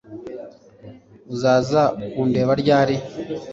Uzaza kundeba ryari